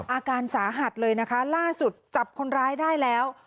อาการสาหัสเลยนะคะล่าสุดจับคนร้ายได้แล้ว